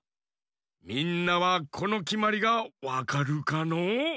みんなはこのきまりがわかるかのう？